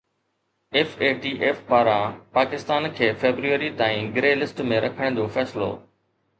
F A T F پاران پاڪستان کي February تائين گري لسٽ ۾ رکڻ جو فيصلو